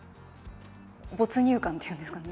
没入感っていうんですかね。